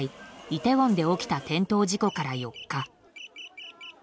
イテウォンで起きた、転倒事故から４日。